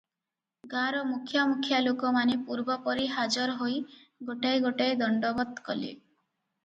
ଗାଁର ମୁଖ୍ୟା ମୁଖ୍ୟା ଲୋକମାନେ ପୂର୍ବପରି ହାଜର ହୋଇ ଗୋଟାଏ ଗୋଟାଏ ଦଣ୍ଡବତ୍ କଲେ ।